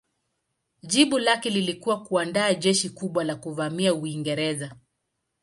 Jibu lake lilikuwa kuandaa jeshi kubwa la kuvamia Uingereza.